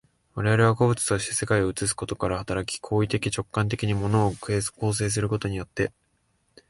我々は個物として世界を映すことから働き、行為的直観的に物を構成することによって、